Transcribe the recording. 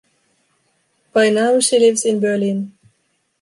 By now, she lives in Berlin.